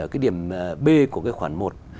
cái điểm b của cái khoản một